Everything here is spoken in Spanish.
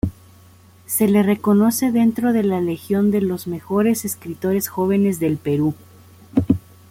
Se le reconoce dentro de la legión de los mejores escritores jóvenes del Perú.